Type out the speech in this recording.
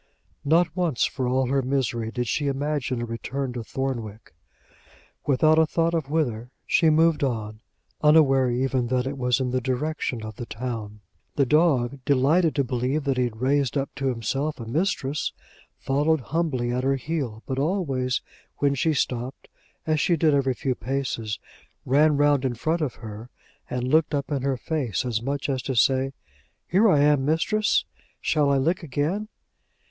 Not once, for all her misery, did she imagine a return to Thornwick. Without a thought of whither, she moved on, unaware even that it was in the direction of the town. The dog, delighted to believe that he had raised up to himself a mistress, followed humbly at her heel: but always when she stopped, as she did every few paces, ran round in front of her, and looked up in her face, as much as to say, "Here I am, mistress! shall I lick again?"